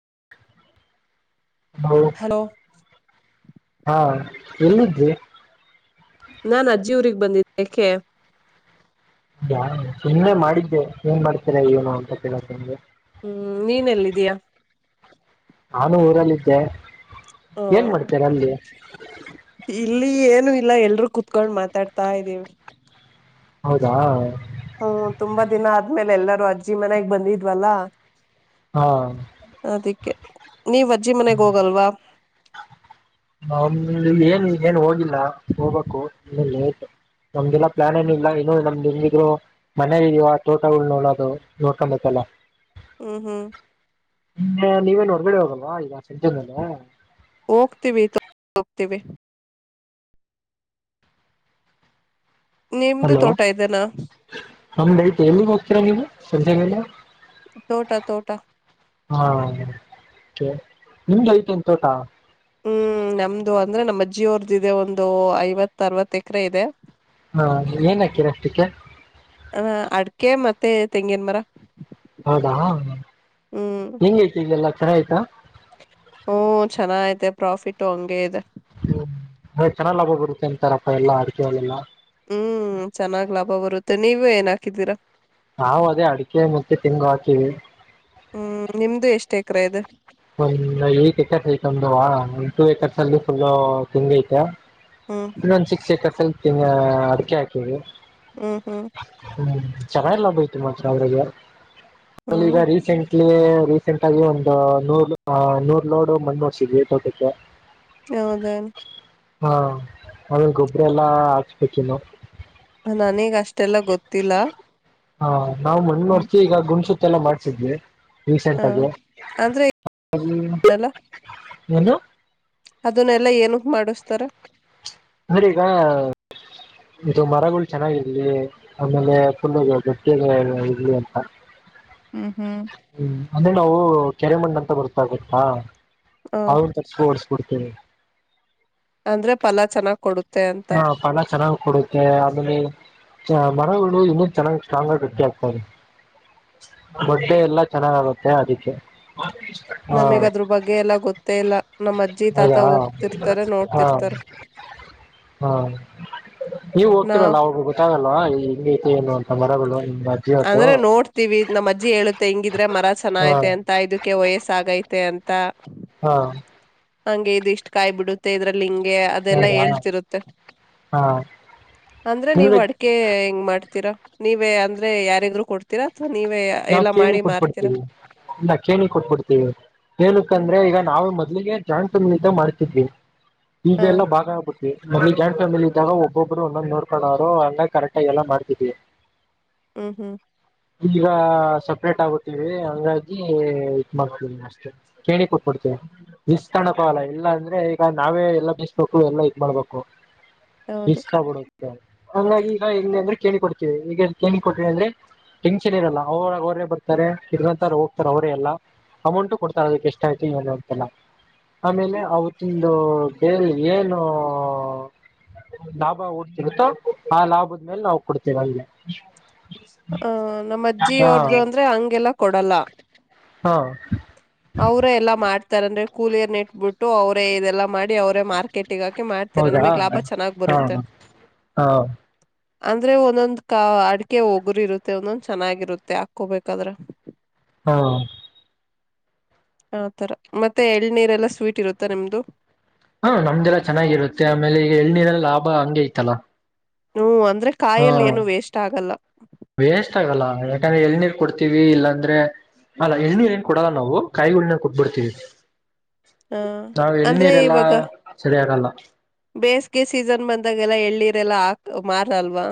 [inaudible] Hello [unintelligible] ಹಾ ಎಲ್ಲಿದ್ವಿ [unintelligible] ಜುರಿಗ್ ಬಂದಿ ಬಂದಿದ್ದೆ ಏಕೆ [unintelligible] ಯ ಸುಮ್ಮನೆ ಮಾಡಿದ್ದೆ ಏನ್ ಮಾಡ್ತೀರಾ ಏನು ಅಂತ ಕೇಳೋಕೆ [unintelligible] ಹ್ಮ್ ನೀನ್ ಎಲ್ಲಿದೀಯ [unintelligible] ನಾನು ಊರಲ್ಲಿದ್ದೆ ಹ [unintelligible] ಏನ್ ಮಾಡ್ತಿರ ಅಲ್ಲಿ [unintelligible] ಇಲ್ಲಿ ಏನು ಇಲ್ಲ ಎಲ್ರೂ ಕುೂತ್ಕೊಂಡ್ ಮಾತಾಡ್ತಾ ಇದ್ದೀವಿ [unintelligible] ಹೌದಾ [unintelligible] ಹ್ಮ್ ತುಂಬಾ ದಿನ ಆದ್ಮೇಲೆ ಎಲ್ಲರೂ ಅಜ್ಜಿ ಮನೆಗ್ ಬಂದಿದ್ವಲ್ಲಾ ಹಾ [unintelligible] ಅದಿಕ್ಕೆ ನೀವ್ ಅಜ್ಜಿ ಮನೆಗ್ ಹೋಗಲ್ವಾ [unintelligible] ನಮ ಏನ್ ಏನ್ ಹೋಗಿಲ್ಲ ಹೋಗ್ಬೇಕು ಇನ್ನ ಲೇಟ್ ನಮ್ಗೆಲ್ಲಾ ಪ್ಲಾನ್ ಏನು ಇಲ್ಲ ಇನ್ನು ನಮ್ದ ಹಿದ್ರು ಮನೆ ಇದುವ ತೋಟಗಳ ನೋಡೋದು ನೋಡ್ಕೊಬೇಕಲ್ಲ [unintelligible] ಹ್ಮ್ ಹ್ಮ್ [unintelligible] ನಿನ್ನೆ ನೀವೇನ್ ಹೊರ್ಗಡೆ ಹೋಗಲ್ವಾ ಈಗ ಸಿಂಚೇ ಮೇಲೆ [unintelligible] ಹೋಗ್ತೀವಿ ವ ನಾವು ಹೋಗ್ತೀವಿ [unintelligible] ನಿಮ್ದು ಹಲೋ ತೋಟ ಇದೆನಾ ಹಮ ಎಲ್ಲಿಗ್ ಹೋಗ್ತೀರಾ ನೀವು [unintelligible] ಸಂಜೆಗೆಲ್ಲ [unintelligible] ತೋಟ ತೋಟ [unintelligible] ಹಾ ನಿಮ್ದು ಐತೆ ತೋಟ [unintelligible] ಹ್ಮ್ ನಮ್ದು ಅಂದ್ರೆ ನಮ್ಮಜ್ಜಿಯ ಅವರ್ದ ಇದೆ ಒಂದು ಐವತ್ ಅರವತ್ ಎಕರೆ ಇದೆ [unintelligible] ಹಾ ಏನ್ ಹಾಕೀರ ಅಷ್ಟಕ್ಕೆ ಹ [unintelligible] ಅಡ್ಕೆ ಮತ್ತೆ ತೆಂಗೇನ್ ಮರ [unintelligible] ಹೌದಾ ಹಾ ಹ್ಮ್ ಹೆಂಗ ಐತಿದಲ್ಲ [unintelligible] ರ ಆಯ್ತಾ ಹ್ಮ ಚೆನ್ನ ಐತೆ ಪ್ರಾಫಿಟು ಹಂಗೆ ಇದೆ ಹ್ಮ ಚೆನ್ನಾಗ ಲಾಭ ಬರುತ್ತೆ ಅಂತಾರಪ್ಪ ಎಲ್ಲಾ ಅಡಿಕೆೆಲೆಲ್ಲ ಹ್ಮ್ ಚೆನ್ನಾಗ್ ಲಾಭ ಬರುತ್ತೆ ನೀವ ಏನ್ ಹಾಕಿದ್ದೀರಾ ನಾವವು ಅದೇ ಅಡಿಕೆ ಮತ್ತೆ ತಿಂಗು ಹಾಕಿವವಿ ಎಕ್ರೆ ಇದು ಒಂದ ಐಟ್ [unintelligible] ಎಕರ್ ಐತಂದುುವ ಒಂದು ಟು ಎಏಕರ್ಸ್ ಅಲ್ಲಿ ಫುಲ್ ತಿಂಡಿ ಐತೆ ಹ್ಮ್ ಇನ್ನೊಂದ್ ಸಿಕ್ಸ್ಏಕರ್ಸ್ ಈ ಅಡಿಕೆ ಹಾಕಿವಿ ಹ್ಮ್ ಹ್ಮ್ ಚೆನ್ನ ಎಲ್ಲ ಬಯ್ತು ಮಾತ್ರ ಅವ್ರರಿಗೆ ಅಲ್ಲಿ ಈಗ ಹ್ಮ್ ರೀಸೆಂಟ್ ಇಲ್ಲಿ ರೀಸೆಂಟ್ ಆಗಿ ಒಂದು ನೂರ್ ನೂರ್ ಲೋಡು ಮಣೋಡ್ಸಿದ್ವಿ ತೋಟಕ್ಕೆ ಹೌದಾ ಹಾ ಆಮೇಲೆ ಗೊಬ್ಬ್ರ ಎಲ್ಲಾ ಹಾಚ್ಬೇಕ ಇನ್ನು ನನೇಗ ಅಷ್ಟೇ ಅಷ್ಟೆಲ್ಲ ಗೊತ್ತಿಲ್ಲ ಹೌ [unintelligible] ನಾ ಮಣ್ ನೋಡ್ತೀ ಹ ಈಗ ಗ [unintelligible] [unintelligible] ಲ್ಲ ಮಾಡ್ಸಿದ್ವಿ ರಿಸೆಂಟ್ ಆಗೆ ಅಂದ್ರೆ ಹಾಗ ಏನಲ್ಲ ಎನು [unintelligible] ಅದನ್ನೆಲ್ಲಾ ಏನಕ್ ಮಾಡಿಸತಾರ ಅಂದ್ರೀಗ ಇದು ಮರಗಳು ಚೆನ್ನಾಗಿರ್ಲಿ ಆಮೇಲೆ ಫುಲ್ ಗಟ್ಟಿಯ ಇರ್ಲಿ ಅಂತ ಹ್ಮ್ ಹ್ಮ್ ಹ್ಮ್ ಅಂದ್ರೆ ನಾವು ಕೆರೆಮಣಂತ ಬರ್ತಾಗತ್ತಾ ಹ ಹೌದ್ರ ಸೊರ್ಸ್. ಕೊಡ್ತಿನಿ. ಅಂದ್ರೆ ಪ್ ಹಾ ಫಲ ಚೆನ್ನಾಗ್ ಕೊಡುತ್ತೆ ಆಮೇಲೆ ಅ ಮರಗಳು ಇನ್ನು ಚೆನ್ನಾಗ್ ಸ್ಟ್ರಾಂಗ್ ಆಗಿ ಗಟ್ಟಿ ಆಗ್ತದೆ ಬೊಟ್ಟೆ ಎಲ್ಲಾ ಚೆನ್ನಾಗ್ ಆಗತ್ತೆ ಅದಕ್ಕೆ. ಹಾ ನಮಿಗ್ದ್ರ ಬಗ್ಗೆ ಎಲ್ಲ ಗೊತ್ತೇ ಇಲ್ಲ ನಮ್ಮಜ್ಜಿ ತಾತ ಹೌದಾ ಹೋಗ್ತಿರ್ತಾರೆ ಹಾ ನೋಡ್ತಿರ್ತಾರೆ. ಹಾ ನೀವು ನಾವ್ ಹೋಗ್ತೀರಲ್ಲ ಅವ್ಗ ಗೊತ್ತಾಗ ಅಲ್ಲ ಇಲ್ ಹೆಂಗೈತೆ ಏನು ಅಂತ. ಮರಗಳು ನಿಮ್ಗೆ ಅಜ್ಜಿವತ್ತು ಅಂದ್ರೆ ನೋಡ್ತೀವಿ ನಮ್ ಅಜ್ಜಿ ಹೇಳುತ್ತೆ ಹಿಂಗಿದ್ರೆ ಮರ ಚೆನ್ನ ಹಾ ಐತೆ ಅಂತ ಇದಕ್ಕೆ ವಯಸ್ ಆಗೈತ್ ತೆ ಅಂತ. ಹಾಂ ಹಂಗೆ ಇದು ಇಷ್ಟ್ ಕಾಯ್ ಬಿಡುತ್ತೆ ಇದ್ರಲ್ ಹಿಂಗ್ ಗೆ ಅದೆಲ್ಲ ಹೌದಾ ಹೇಳ್ತಿರುತ್ತೆ ಹಾ ಅಂದ್ರೆ ನೀವು ನಿಮ್ಗೆ ಅಡಿಕೆ ಹೆಂಗ್ ಮಾಡ್ ತೀರಾ ನೀವೇ ಅಂದ್ರೆ ಯಾರಿದ್ರು ಕೊಡ್ತೀರಾ? ಅಥವಾ ನೀವೇ ನಾವ್ ಎಲ್ಲ ಕೇಣಿ ಮಾಡಿ ಮಾರ್ತೀರಾ ಕೊಟ್ಬಿಡ್ತೀವಿ. ಇಲ್ಲ ಕೇಣಿ ಕೊಟ್ಬಿಡ್ತೀವಿ ಹ್ಮ್ ಏನುಕಂದ್ರೆ ಈಗ ನಾವೆ ಮತ್ ಕೇಣಿಗೆ ಜಾಯಿಂಟ್ ಫ್ಯಾಮಿಲಿಂದ ಮಾಡ್ತಿದ್ವಿ. ಹಾ ಈಗೆಲ್ಲ ಭಾಗ ಆಗ್ಬಿಟ್ ವಿ ಮೊದ್ಲು ಜಾಯಿಂಟ್ ಫ್ಯಾಮಿಲಿ ಲಿದ್ದಾಗ ಒಬ್ಬೊಬ್ರು ಒಂದೊಂದ್ ನೋಡ್ಕೊಳ್ಳೋರು ಹಂಗಾಗ್ ಕರೆಕ್ಟಾಗ್ ಎಲ್ಲ ಮಾಡ್ತಿದ್ವಿ. ಹ್ಮ್ ಹ್ಮ್ ಈಗ ಸಪ್ರೇಟ್ ಆಗ್ಬಿಟ್ಟೀವಿ ಹಂಗಾಗಿ ಇದ್ ಮಾಡ್ತೀನಿ ಅಷ್ಟೆ. ಕೇಣಿ ಕೊಟ್ಬಿಡ್ತೀನಿ ಈಸ್ಕೊಣಕ್ ಹೋಗಲ್ಲ ಇಲ್ಲಾಂದ್ರೆ ಈಗ ನಾವೇ ಎಲ್ಲ ಬೀಸ್ಬೇಕು ಎಲ್ಲಾ ಇದ್ ಮಾಡ್ಬೇಕು. ಹೌದು ಈಸ್ಕಬಿಡದ್ ದು ಹಂಗಾಗಿ ಈಗ ಹೆಂಗಂದ್ರೆ ಕೇಣಿ ಕೊಡ್ತೀವಿ ಈಗ ಎಷ್ಟ್ ಕೇಣಿ ಕೊಡ್ರಿ ಅಂದ್ರೆ ಟೆನ್ಷನ್ ಇರಲ್ಲ ಅವ್ರಾಗ್ ಅವರೇ ಬರ್ತಾರೆ ಕಿತ್ಕಂತಾರ್ ಹೋಗ್ತಾರವರೇ ಎಲ್ಲ. ಅಮೌಂಟು ಕೊಡ್ತಾರೆ ಅದುಕ್ ಎಷ್ಟಾಯ್ತು ಏನು ಅಂತೆಲ್ಲ. ಆಮೇಲೆ ಅವತ್ತಿಂದು [unintelligible] ಏನು ಲಾಭ ಉಳ್ಸಿರುತ್ತೋ ಆ ಲಾಭದ್ ಮೇಲೆ ನಾವು ಕೊಡ್ತೀವ್ ಅಲ್ಲಿಗೆ. ಹ. ನಮ್ಮ ಅಜ್ಜಿ ಅವರ್ದು ಅಂದ್ರೆ ಹಂಗೆಲ್ಲಾ ಕೊಡಲ್ಲ. ಹಾ ಅವ್ರೆ ಎಲ್ಲಾ ಮಾಡ್ತಾರಂದ್ರೆ ಕೂಲಿಯರ್ನ ಇಟ್ಬುಟ್ ಟು ಅವ್ರೇ ಇದೆಲ್ಲಾ ಮಾಡಿ ಅವ್ರೇ ಮಾರ್ಕೆಟಿಗ್ ಹಾಕಿ ಮಾಡ್ತಾರೆ ಹೌದಾ ನಮಿಗ್ ಲಾಭ ಚೆನ್ನಾಗ್ ಹಾ ಬರುತ್ತೆ. ಹಾ ಅಂದ್ರೆ ಒಂದೊಂದ್ ಕ ಅಡಿಕೆ ಒಗ್ರು ಇರುತ್ತೆ ಒಂದೊಂದ್ ಚೆನ್ನಾಗಿರುತ್ತೆ ಹಾಕೊಬೇಕಾದ್ರ. ಹಾ ಆತರ ಮತ್ತೆ ಎಳ್ನೀರೆಲ್ಲ ಸ್ವೀಟ್ ಇರುತ್ತ ನಿಮ್ದು. ಹಾ ನಮ್ದೆಲ್ಲಾ ಚೆನ್ನಾಗಿರುತ್ತೆ ಆಮೇಲೆ ಈಗ ಎಳ್ಳನೀರ್ಲ್ಲ ಲಾಭ ಹಂಗೆ ಐತಲ್ಲಾ. ಹ್ಮ ಅಂ ದ್ರೆ ಕಾಯಲ್ ಏನು ವೇಸ್ಟ್ ಆಗಲ್ಲ. ವೇಸ್ಟ್ ಆಗಲ್ಲ ಯಾಕಂದ್ರೆ ಎಳನೀರ್ ಕೊಡ್ತೀವಿ ಇಲ್ಲಾಂದ್ರೆ ಅಲ್ಲ ಎಳ್ನೀರ್ ಏನ್ ಕೊಡಲ್ಲ ನಾವು ಕಾಯಿಗಳ ಕೊಟ್ಬಿಡ್ತೀವಿ ಹ ನಾವ್ ಎಳ್ನೀರೆಲ್ಲಾ ಸರಿ ಆಗಲ್ಲ ಹ ಬೇಸಗೆ ಸೀಸನ್ ಬಂದಾಗೆಲ್ಲ ಎಳ್ಳೀರೆಲ್ಲಾ ಹಾಕ್ ಮಾರಲ್ವಾ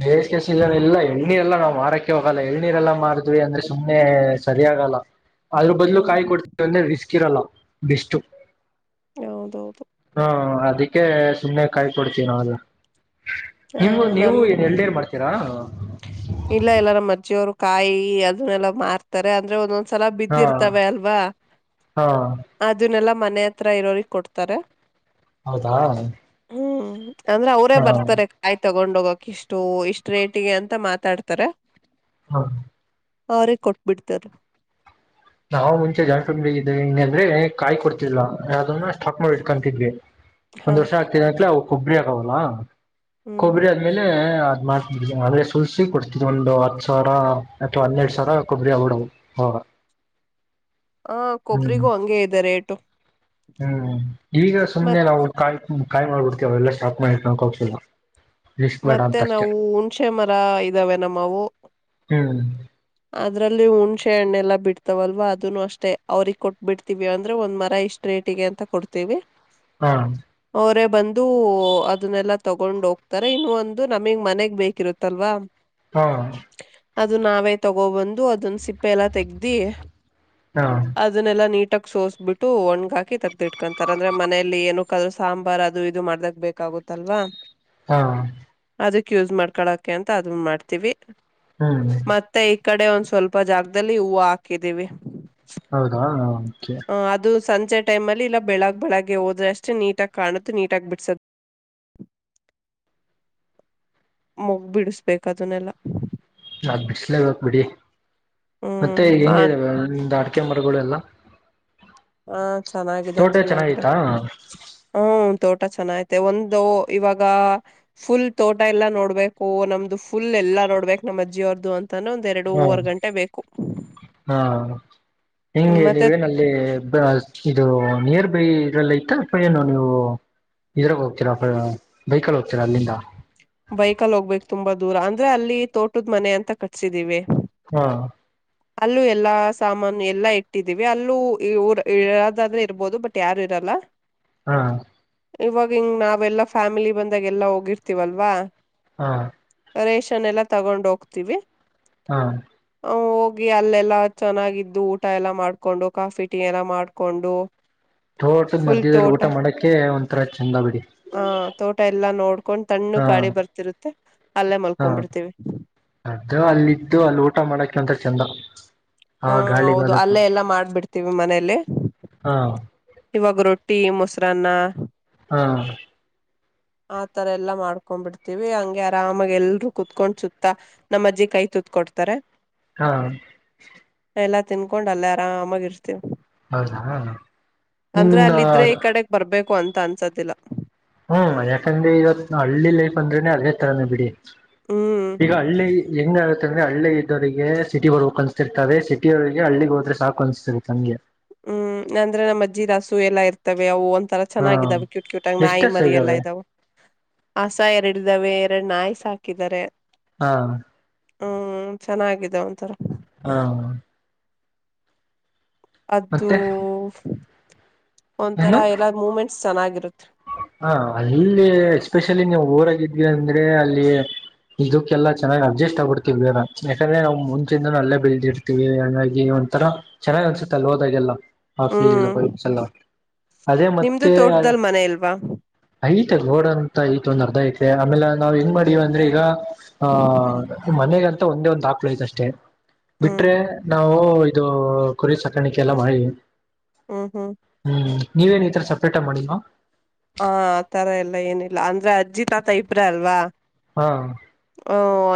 ಬೇಸ ಕೆಸ ಎಲ್ಲಾ ಎಳನೀರೆಲ್ಲಾ ನಾವ್ ಮಾರಕ್ಕೆ ಹೋಗಲ್ಲ ಎಳನೀರೆಲ್ಲ ಮಾರಿದ್ವಿ ಅಂದ್ರೆ ಸುಮ್ಮ್ನೆ ಸರಿ ಆಾಗಲ್ಲ ಅದ್ರ ಬದಲು ಹ್ಮ್ ಕಾಯ್ ಕೊಡ್ತವಿ ಅಂದ್ರೆ ರಿಸ್ಕ್ ಕ್ಕಿರಲ್ಲ ಬೆಷ್ಟು ಹೌದೌದು ಹ ಅದಕ್ಕೆ ಸುಮ್ಮ್ನೆ ಕಾಯ ಕೊಡ್ತೀವಿ ನಾವೆಲ್ಲ ಆ ನೀವು ನೀವು ನಮ್ ಏನ್ ಎಲ್ಡರ್ ಮಾಡ್ತೀರಾ ಇಲ್ಲ ಎಲ್ಲಾರ ಅಜ್ಜಿಯವ್ರು ಕಾಯಿ ಅದನ್ನೆಲ್ಲ ಮಾರ್ತಾರೆ ಅಂದ್ರೆ ಒಂದೊ ಸಲ ಹಾ ಬಿದ್ದಿರ್ತವೆ ಅಲ್ವಾ ಹಾ ಅದನ್ನೆಲ್ಲ ಮನೆ ಹತ್ರ ಇರೋರಿಗೆ ಕೊಡ್ತಾರೆ ಹೌದಾ ಹ್ಮ್ ಅಂದ್ರೆ ಅವರೇ ಹಾ ಬರ್ತಾರೆ ಕಾಯಿ ತಗೊಂ ನೋಗಕ ಇಷ್ಟು ಇಷ್ಟ್ ರೇಟಿಗೆ ಅಂತ ಮಾತ್ರ ಮಾತಾಡ್ತಾರ ಹಾ ಅವ್ರೆ ಕೊಟ್ಬಿಡ್ತಾರ ನಾವು ಮುಂಚೆ ಜಾಟುಂಡ್ ಬ ಇದಿದ್ದೇವೆ ಹಗೆ ಅಂದ್ರೆ ಕಾಯ್ ಕೊಡ್ತಿಲ್ಲ ಯಾದನ್ನ ಕಟ್ ಇಟ್ ಕಂತಿದ್ವಿ ಹಾ ಒಂದ್ ವರ್ಷ ಆಗ್ತನ ಅಂತ್ಲೇ ಕೊಬ್ರಿ ಅದವಲ್ಲ ಹ್ಮ್ ಕೊಬ್ಬರಿ ಆದ್ಮೇಲೆ ಅಂದ್ರೆ ಸುಲ್ಸಿ ಕೊಡ್ತಿದ್ ಒಂದು ಹತ್ ಸಾವಿರ ಅಥವಾ ಹನ್ನೆರಡ್ ಸಾವಿರ ಕೊಬ್ರಿ ಅವಡ ಹೋಗ ಹ ಕೊಬ್ಬರಿಗೂ ಹಂಗೆ ಇದ್ದಾರೆ ಏಟು ಹ್ಮ್ ಈಗ ಸುಮ್ಮನೆಲ್ಲ ಅವ ಕಾಯ ಕಾಯ ಮಾಡ್ಬಿಡ್ತಿವಿ ಅವೆಲ್ಲ ಸ್ಟಾಕ್ ಮಾಡಿ ಇಟ್ಕೋತ್ತಿಲ್ಲ. ಮತ್ತೆ ನಾವು ಹುಣಶೆ ಮರ ಇದಾವೆ ನಮ್ಮವು ಹುಂ ಅದ್ರಲ್ಲಿ ಹುಣ್ಸೆ ಹಣ್ಣೆ ಎಲ್ಲಾ ಬಿಡ್ತವಲ್ವಾ ಅದನ್ನು ಅಷ್ಟೇ ಅವ್ರಿಗ ಕೊಟ್ ಬಿಡ್ತೀವಿ ಅಂದ್ರೆ ಒಂದ್ ಮರ ಇಷ್ಟ್ ರೇಟಿಗೆ ಅಂತ ಕೊಡ್ತೀವಿ ಹಾ ಅವರೆ ಬಂದು ಅದನ್ನೆಲ್ಲಾ ತಗೊಂಡ ಹೋಗ್ ತರ ಇನ್ನು ಒಂದು ನಮಿಗ್ ಮನೆಗ್ ಬೇಕಿರುತ್ತಲ್ವಾ ಹಾ ಅದು ನಾವೇ ತಗೋಬಂದು ಅದನ್ ಸಿಪ್ಪೆ ಎಲ್ಲ ತೆಗ್ದಿ ಹಾ ಅದನ್ನೆಲ್ಲಾ ನೀಟ್ ಕ್ಟಾಗ ಸೋಸ್ಬಿಟ್ಟು ಒಣ್ಗ ಹಾಕಿ ತಗ್ದಿಟ್ಕೊಂತಾರ ಅಂದ್ರೆ ಮನೆಯಲ್ಲಿ ಏನುಕದ್ರು ಸಾಂಬಾರ್ ಅದು ಇದು ಮಾಡ್ದಗ ಬೇಕಾಗುತ್ತಲ್ವಾ ಹಾ ಅದಕ್ ಯೂಸ್ ಮಾಡ್ಕೊಳಕ್ಕೆ ಅಂತ ಅದು ಮಾಡ್ತೀವಿ ಹಾ ಮತ್ತೆ ಈ ಕಡೆ ಒಂದ್ ಸ್ವಲ್ಪ ಜಾಗದಲ್ಲಿ ಹೂವು ಹಾಕಿದೀವಿ ಹೌದಾ ಓಕೆ ಹ ಅದು ಸಂಜೆ ಟೈಮ್ ಅಲ್ಲಿ ಇಲ್ಲ ಬೆಳಗ್ ಬೆಳಗ್ಗೆ ಹೋದ್ರೆ ಅಷ್ಟೇ ನೀಟಾಗಿ ಕಾಣುತ್ತ ನೀಟಾಗಿ ಬಿಡ್ಸದ ಮುಗ್ ಬಿಡಿಸಬೇಕ ಅದನ್ನೆಲ್ಲ ನಾ ಬಿಚಲೇಬೇಕಕ್ ಬಿಡಿ ಮತ್ತೆ ಹ್ಮ್ ಆ ಹೆಂಗ ಇಂಗ್ ಕೆ ಮರಗಳು ಎಲ್ಲ ಹಾ ಚೆನ್ನಾಗಾಗಿದೆ ಚೆನ್ನಾಗಿದೆ ಚೆನ್ನಾಗೈತಾ ಹುಂ ತೋಟ ಚೆನ್ನ ಐತೆ ಒಂದು ಇವಾಗ ಫುಲ್ ತೋಟ ಎಲ್ಲಾ ನೋಡ್ಬೇಕು ನಮ್ದು ಫುಲ್ ಎಲ್ಲಾ ನೋಡ್ಬೇಕು ನಮ್ಮ ಅಜ್ಜಿಯ ಅವರದು ಅಂತ ಹಾ ಹಾ ಹ್ಮ್ ಹಿಂಗೆ ಮತ್ತೆ ನೀವೇನ ಅಲ್ಲಿ ಇದು ನಿಯರ್ ಬೈ ಇದ್ರಲ್ಲಲ್ಲಿ ಐತ ಏನು ನೀವು ಇದ್ರಾಗ ಹೋಗ್ತೀರಾ ಬೈಕಲ್ಲಿ ಹೋಗ್ತೀರಾ ಅಲ್ಲಿಂದ ಬೈಕಲ್ಲಿ ಹೋಗ್ಬೇಕ ತುಂಬಾ ದೂರ ಅಂದ್ರೆ ಅಲ್ಲಿ ತೋಟದ್ ಮನೆ ಅಂತ ಕಟ್ಸಿದೀವಿ ಹಾ ಅಲ್ಲೂ ಎಲ್ಲಾ ಸಾಮಾನು ಎಲ್ಲಾ ಇಟ್ಟಿದೀವಿ ಅಲ್ಲೂ ಊರ್ ಇರದಾದ್ರೆ ಇರ್ಬೋದು ಬಟ್ ಯಾರು ಇರಲ್ಲ ಹಾ ಇವಾಗ ಹಿಂಗ್ ನಾವೆಲ್ಲ ಫ್ಯಾಮಿಲಿ ಬಂದಾಗ ಎಲ್ಲ ಹೋಗಿರ್ತಿವಲ್ಲ ವಾಹ್ ಹಾ ರೇಷನ್ ಎಲ್ಲ ತಗೊಂಡ್ ಹೋಗ್ತೀವಿ ಹಾ ಹೋಗಿ ಅಲ್ಲೆಲ್ಲ ಚೆನ್ನಾಗಿದ್ದು ಊಟ ಎಲ್ಲಾ ಮಾಡ್ಕೊಂಡು ಕಾಫಿ ಟೀ ಎಲ್ಲ ಮಾಡ್ಕೊಂಡು ತೋಟದ ಫುಲ್ ಮಧ್ಯದಲ್ಲಿ ತೋಟ ಊಟ ಮಾಡಕ ಒಂಥರ ಚೆಂದ ಬಿಡಿ ಆ ತೋಟ ಎಲ್ಲಾ ನೋಡ್ಕೊಂಡ್ ತಣ್ಣು ಹಾ ಗಾಳಿ ಬರ್ತಿರುತ್ತೆ ಅಲ್ಲೇ ಹಾ ಮಲ್ಕೊಂಡ್ಬಿಡ್ತೀವಿ ಅದು ಅಲ್ಲಿದ್ದು ಅಲ್ಲಿ ಊಟ ಮಾಡಕ ಅಂತ ಚಂದ ಆ ಹ್ಮ ಗಾಳಿಗ ಹೌದು ಅದಕ್ಕ ಅಲ್ಲೇ ಎಲ್ಲಾ ಮಾಡ್ಬಿಡ್ತೀವಿ ಮನೇಲಿ ಹಾ ಇವಾಗ ರೊಟ್ಟಿ ಮೊಸರನ್ನ ಹಾ ಆತರ ಎಲ್ಲಾ ಮಾಡ್ಕೊಂಡಬಿಡ್ತೀವಿ ಹಂಗೆ ಆರಾಮಾಗ ಎಲ್ರುೂ ಕುೂತ್ಕೊಂಡ್ ಸುತ್ತ ನಮ್ಮಜ್ಜಿ ಕೈ ತೂತ್ಕೊಡ್ತಾರೆ ಹಾ ಎಲ್ಲ ತಿನ್ಕೊಂಡ್ ಅಲ್ಲ ಆರಾಮಮಗ ಇರ್ತತಿವಿ ಹೌದಾ ಹಾ ಅಂದ್ರೆ ಅಲ್ಲಿದ್ರೆ ಈ ಕಡೆಗ್ ಬರ್ಬೇಕು ಅಂತ ಅನ್ಸದಿಲ್ಲ ಹ್ಮ್ ಯಾಕಂದ್ರೆ ಇವತ್ ಹಳ್ಳಿ ಲೈಫ್ ಅಂದ್ರೆನನೆ ಅದೇ ತರಾನ ಬಿಡಿ ಹ್ಮ್. ಈಗ ಹಳ್ಳಿ ಹೆಂಗ ಅಂದ್ರ ಹಳ್ಳಿ ಇದ್ದೋರಿಗೆ ಸಿಟಿಗ ಹೋಗ್ ಅನ್ಸ್ತಿರ್ತವೆ ಸಿಟಿಯವ್ರಿಗೆ ಹಳ್ಳಿಗೆ ಹೋದ್ರೆ ಸಾಕು ಅನ್ಸ್ತಿತಂಗೆ ಹ್ಮ್ ನಂದ್ರ ನಮ್ಮ ಅಜ್ಜಿ ಕಾಸ್ ಎಲ್ಲಾ ಇರ್ತವೆ ಅವು ಒಂ ತರ ಹಾ ಚೆನ್ನಾಗಿದ್ದಾವವು ಕ್ಯೂಟ್ ಕ್ಯೂಟಗ ನಾಯಿ ಎಷ್ಟಸ ಮರಿ ಎಲ್ಲ ಇದಾವೆ ಇದಾವ ಆಸಾ ಎರಡು ಇದಾವೆ ಎರಡು ನಾಯ್ ಸಾಕಿದ್ದಾರೆ ಹಾ ಹ್ಮ್ ಚೆನ್ನಾಗಾಗಿದೆ ಒಂಥರ ಹಾ [unintelligible] ಅದುೂ ಮತ್ತೆ [unintelligible] ಒಂ ತರಾ ಏನು ಎಲ್ಲಾ ಮೂಮೆಂಟ್ ಚೆನ್ನಾಗಿರುತ್ತೆ ಹ ಅಲ್ಲಿ ಎಸ್ಪೆಷಲಿ ನೀವು ಊರಾಗಿದ್ವಿ ಅಂದ್ರೆ ಅಲ್ಲಿ ಇದುಕ್ಕೆಲ್ಲಾ ಚೆನ್ನಾಗ್ ಅಡ್ಜಸ್ಟ್ ಆಗ್ಬಿಡ್ತೀವಿ ಬೇಗ ಯಾಕಂದ್ರೆ ನಾವು ಮುಂಚಿಂದಾನು ಅಲ್ಲೇ ಬೆಳದಿರ್ತೀವಿ ಹಾಗಾಗಿ ಒಂತರಾ ಚೆನ್ನ್ ಅನ್ಸುತ್ತ ಅಲ್ಲಿ ಹೋದಾಗೆಲ್ಲ ಆ ಫಿಲಿಲ್ಲ ಹ್ಮ್. ಪರೀಕ್ಷೆ ಅಲ್ಲ ಅದೇ ನಿಮ್ದು ಮತ್ತೆ ತೋಟದಲ್ ಮನೆ ಇಲ್ವಾ? ಐತೆ ರೋಡ್ ಅಂತ ಐತ ಒಂದ್ ಅರ್ಧ ಎಕ್ರೆ ಆಮೇಲೆ ನಾವ್ ಹೆಂಗ ಮಾಡಿವ್ ಅಂದ್ರೆ ಈಗ ಆಹ ಮನೆಗಂತ ಒಂದೇ ಒಂದ್ ಹಾಕ್ಲು ಐತಷ್ಟೇ ಹ್ಮ್ ಬಿಟ್ರೆ ನಾವು ಇದು ಕುರಿ ಸಾಕಾಣಿಕ ಎಲ್ಲ ಮಾಡಿ ಹ್ಮ್ ಹ್ಮ್ ನೀವೇನು ಈ ಥರ ಸಪ್ರೇಟಗ್ ಮಾಡಿಲ್ವಾ ಹ ಆ ತರ ಎಲ್ಲ ಏನಿಲ್ಲ ಅಂದ್ರೆ ಅಜ್ಜಿ ತಾತ ಇಬ್ರೆ ಅಲ್ವಾ ಹಾ ಹ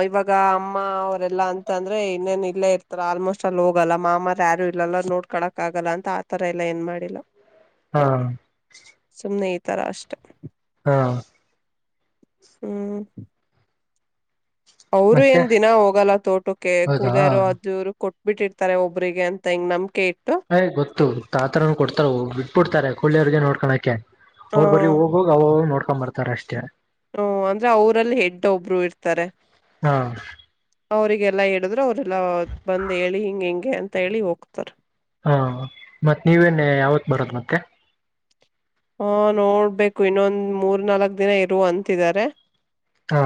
ಇವಾಗ [unintelligible] ಈಗ ಅಮ್ಮ ಅವರೆಲ್ಲಾ ಅಂತ ಅಂದ್ರೆ ಇನ್ನೇನ್ ಇಲ್ಲೇ ಇರ್ತಾರ ಆಲ್ಮೋಸ್ಟ್ ಅಲ್ಲಿ ಹೋಗಲ್ಲ ಮಾಮ ರ್ ಯಾರು ಇರಲ್ಲ ನೋಡ್ಕಳಕ್ ಆಗಲ್ಲ ಅಂತ ಆತರ ಎಲ್ಲಾ ಏನ್ ಮಾಡಿಲ್ಲ ಹಾ ಎ ರಾಸ್ಟೇ ಹಾ ಹ್ಮ್ ಅವ್ರು ಮತ್ತೆ ಏನ್ ದಿನಾ ಹೋಗಲ್ಲ ತೋಟುಕ್ಕೆ ಹೌದಾ ಕೂಲಿಯಾರು ಅದ್ವ್ರು ಕೊಟ್ಟ ಬಿಟ್ಟಿರ್ತಾರೆ ಒಬ್ರಿಗೆ ಅಂತ ಹ ಹೆಂಗ್ ನಮಕೆ ಅಯ್ ಗೊತ್ತು ತಾತರನ ಕೊಡ್ತಾರ ಬಿಟ್ಬಿಡ್ತಾರೆ ಕುಳ್ಳಿ ಅವರಿಗೆ ನೋಡ್ಕೊಳ್ಳಕ್ಕೆ ಹ ಅವ್ರ ಬರಿ ಹೋಗೋಗ ಅವ ನೋಡ್ ತಪ್ಪ ಬರ್ತಾರೆ ಅಷ್ಟೇ ಹ್ಮ ಅಂದ್ರೆ ಅವರಲ್ಲಿ ಹೆಡ್ಡ ಒಬ್ರು ಇರ್ತಾರೆ ಹಾ ಅವರಿಗೆ ಎಲ್ಲಾ ಹಿಡಿದ್ರು ಅವ್ರಲ್ಲ ಬಂದ್ ಹೇಳಿ ಹಿಂಗ್ ಹಿಂಗೆ ಅಂತ ಹೇಳಿ ಹೋಗ್ತಾರ ಹಾ ಮತ್ತ್ ನೀವೇನ್ ಯಾವತ್ ಬರೋದು ಮತ್ತೆ ಹಾ ನೋಡ್ಬೇಕು ಇನ್ನೊಂದ ಮೂರ್ ನಾಲ್ಕ್ ದಿನ ಅಂತಿದರೆ ಹಾ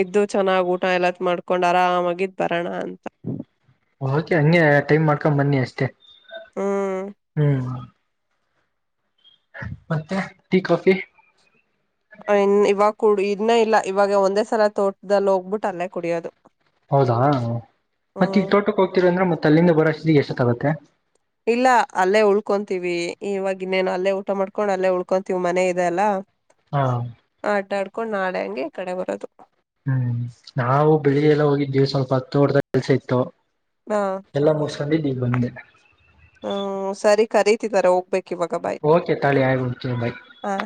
ಇದ್ದು ಚೆನ್ನಾಗ್ ಊಟ ಎಲ್ಲತ್ ಮಾಡ್ಕೊಂಡ್ ಆರಾಮಾಗಿದ್ ಬರೋಣ ಅಂತ ಓಕೆ ಹಂಗೆ ಟೈಮ್ ಮಾಡ್ಕೊಂಡ್ ಬನ್ನಿ ಅಷ್ಟೇ ಹ್ಮ್ ಹ್ಮ್ ಮತ್ತೆ ಟೀ ಕಾಫಿ ಇನ್ ಇವಾಗ ಕು ಇನ್ನ ಇಲ್ಲ ಇವಾಗ ಒಂದೇ ಸಲ ತೋಟದಲ್ಲಿ ಹೋಗ್ಬಿಟ್ಟ ಅಲ್ಲೇ ಕುಡಿಯೋದು ಹೌದಾ ಮತ್ತೆ ಈಗ ಹ್ಮ್ ತೋಟಕ್ಕೆ ಹೋಗ್ತೀರಾ ಅಂದ್ರೆ ಮತ್ತೆ ಅಲ್ಲಿಂದ ಬರ ಈಗೆ ಎಷ್ಟೊತ್ ಆಗುತ್ತೆ ಇಲ್ಲ ಅಲ್ಲೇ ಉಳ್ಕೊಂತೀವಿ ಇವಾಗ ಇನ್ನೇನು ಅಲ್ಲೇ ಊಟ ಮಾಡ್ಕೊಂಡ್ ಅಲ್ಲೇ ಉಳ್ಕೊಂತೀವಿ ಮನೆ ಇದೆ ಅಲ್ಲ ಹಾ ಆಟ ಆಡ್ ಕಕೊಂಡ್ ನಾಳೆ ಹಂಗೆ ಕಡೆ ಬರೋದು ಹ್ಮ್ ನಾವು ಬೆಳಿಗ್ಗೆ ಎಲ್ಲ ಹೋಗಿದ್ದೀವಿ ಸ್ವಲ್ಪ ಹತ್ತು ಹೊರ್ದ ಕೆಲ್ಸ ಇತ್ತು ಹಾ ಎಲ್ಲ ಮುಗುಸ್ ಬಂದಿದ್ ಈಗ್ ಬಂದೆ ಹ್ಮ ಸರಿ ಕರೀತಿದಿದ್ದಾರೆ ಹೋಗ್ಬೇಕು ಓಕೆ ತಾಲಿ ಆಯ ಕುಡಚ ಬಾಯ ಹಾ